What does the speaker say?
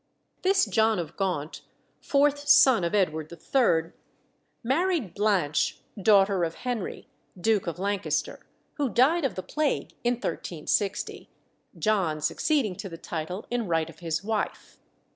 This John of Gaunt, fourth son of Edward III., married Blanche, daughter of Henry, Duke of Lancaster, who died of the plague in 1360, John succeeding to the title in right of his wife.